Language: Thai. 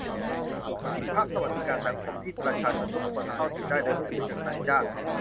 ที่พักสวัสดิการสังคมที่ประชาชนทุกคนเข้าถึงได้ โดยไม่ผูกกับนายจ้าง